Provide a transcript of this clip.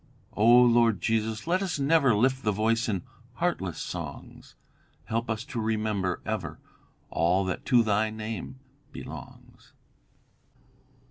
"'O Lord Jesus, let us never Lift the voice in heartless songs; Help us to remember ever All that to thy name belongs.'"